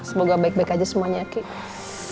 semoga baik baik aja semuanya ya